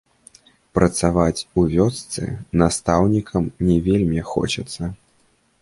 Працаваць у вёсцы настаўнікам не вельмі хочацца.